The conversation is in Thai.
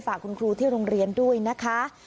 ฝากคุณครูที่โรงเรียนด้วยนะคะ